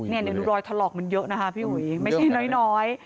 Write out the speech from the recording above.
นี่หนูรอยทะลอกมันเยอะนะคะไม่ใช่น้อย